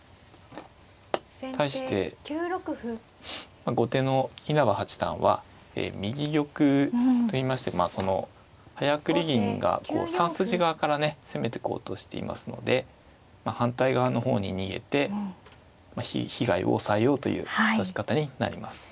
対して後手の稲葉八段は右玉といいましてまあその早繰り銀が３筋側からね攻めてこうとしていますので反対側の方に逃げて被害を抑えようという指し方になります。